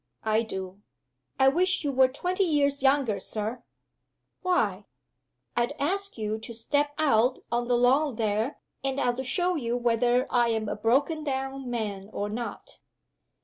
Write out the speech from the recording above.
"I do." "I wish you were twenty years younger, Sir!" "Why?" "I'd ask you to step out on the lawn there and I'd show you whether I'm a broken down man or not."